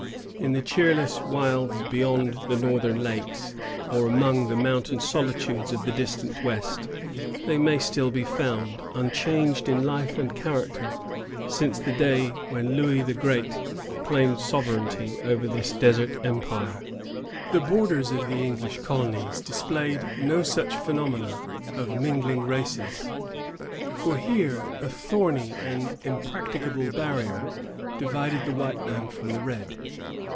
In the cheerless wilds beyond the northern lakes, or among the mountain solitudes of the distant west, they may still be found, unchanged in life and character since the day when Louis the Great claimed sovereignty over this desert empire. The borders of the English colonies displayed no such phenomena of mingling races; for here a thorny and impracticable barrier divided the white man from the red.